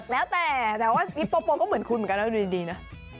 แล้วแต่แต่ว่าฮิปโปโปก็เหมือนคุณเหมือนกันนะดูดีนะ